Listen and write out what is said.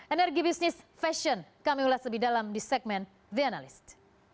energi bisnis fashion kami ulas lebih dalam di segmen the analyst